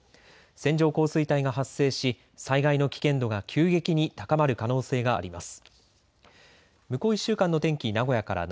線状降水帯が発生し災害の危険度が急激に高まる可能性があります。